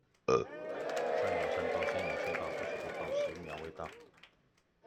善有善報，星有星爆。不是不報，十秒未到